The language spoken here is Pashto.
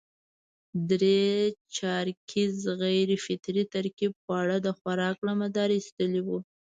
درې چارکیز غیر فطري ترکیب خواړه د خوراک له مداره اېستلي وو.